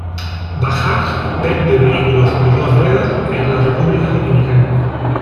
Bajaj vende vehículos de dos ruedas en la República Dominicana.